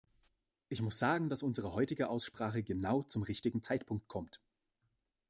Ich muss sagen, dass unsere heutige Aussprache genau zum richtigen Zeitpunkt kommt.